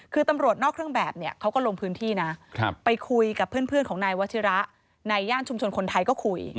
คือตำรวจนอกเครื่องแบบเนี่ยเขาก็ลงพื้นที่นะไปคุยกับเพื่อนของนายวัชิระในย่านชุมชนคนไทยก็คุย